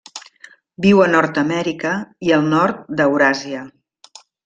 Viu a Nord-amèrica i al nord d'Euràsia.